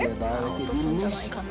落とすんじゃないかな？